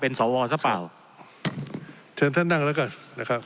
สวซะเปล่าเชิญท่านนั่งแล้วกันนะครับ